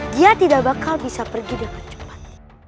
dia tidak bakal bisa pergi dengan cepat